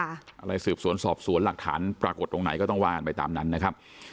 อะไรสืบสวนสอบสวนหลักฐานปรากฏตรงไหนก็ต้องว่ากันไปตามนั้นนะครับ